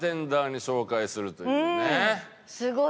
すごい。